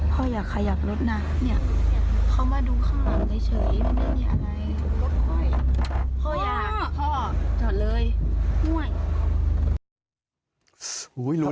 พ่ออยากขยับรถนะเขามาดูข้างหลังเฉยมันไม่มีอะไร